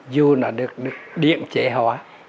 dù nó được điện chế hoa